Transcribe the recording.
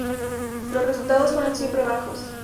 Los resultados fueron siempre bajos.